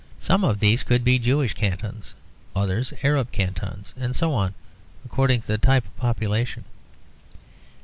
Some of these could be Jewish cantons, others Arab cantons, and so on according to the type of population.